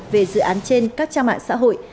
về dự án trên các trang mạng xã hội